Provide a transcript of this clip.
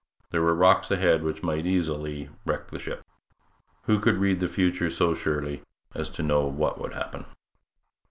There were rocks ahead which might easily wreck the ship. Who could read the future so surely as to know what would happen?